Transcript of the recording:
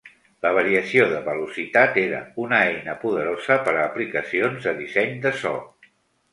La variació de velocitat era una eina poderosa per a aplicacions de disseny de so.